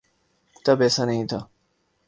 تب ایسا نہیں تھا۔